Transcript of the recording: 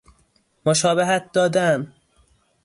مشابهت دادن